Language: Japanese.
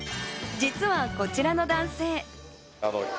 実はこちらの男性。